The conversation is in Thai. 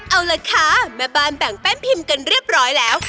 เอาล่ะคะแม่บ้านแบ่งแป้นพิมพ์กันเรียบร้อยแล้ว